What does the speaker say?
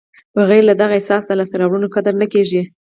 بغیر له دغه احساسه د لاسته راوړنو قدر نه کېږي.